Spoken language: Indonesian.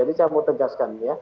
jadi saya mau tegaskan ya